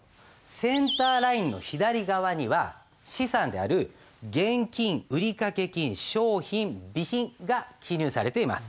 センターラインの左側には資産である現金売掛金商品備品が記入されています。